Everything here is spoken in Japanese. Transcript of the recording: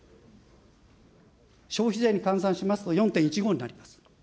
消費税に換算しますと、４．１５になります。